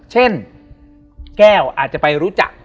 เช่นแก้วอาจจะไปรู้จัก